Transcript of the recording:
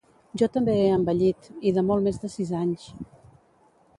Jo també he envellit, i de molt més de sis anys.